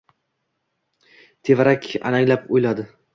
Tevarak alanglab o‘yladi.